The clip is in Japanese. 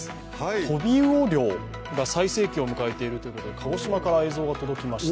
飛び魚漁が最盛期を迎えているということで鹿児島から映像が届きました。